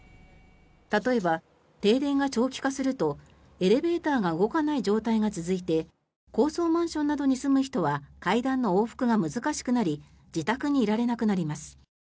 例えば、停電が長期化するとエレベーターが動かない状態が続いて高層マンションなどに住む人は階段の往復が難しくなり自宅にいられなくなります。